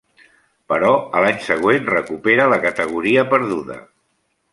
Però, a l'any següent recupera la categoria perduda.